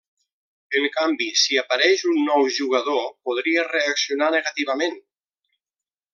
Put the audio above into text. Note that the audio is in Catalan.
En canvi, si apareix un nou jugador, podria reaccionar negativament.